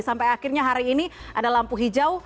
sampai akhirnya hari ini ada lampu hijau